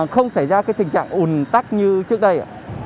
không xảy ra tình trạng ủn tắc như trước đây